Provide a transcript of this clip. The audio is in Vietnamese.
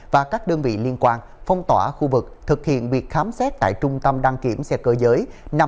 và các đơn vị liên quan phong tỏa khu vực thực hiện việc khám xét tại trung tâm đăng kiểm xe cơ giới